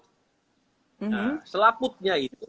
nah selaputnya itu